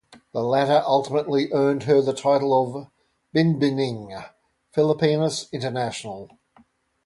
The latter ultimately earned her the title of Binibining Pilipinas International.